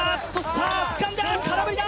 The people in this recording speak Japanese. さあつかんだ空振りだ